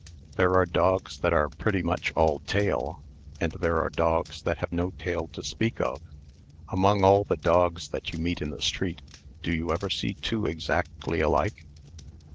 There are dogs that are pretty much all tail, and there are dogs that have no tail to speak of. Among all the dogs that you meet in the street, do you ever see two exactly alike?"